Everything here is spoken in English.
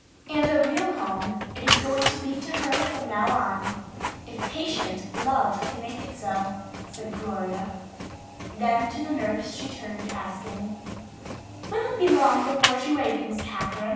"And a real home it is going to be to her from now on if patient love can make it so," Gloria said. Then to the nurse she turned, asking, "Will it be long before she wakens, Kathryn?"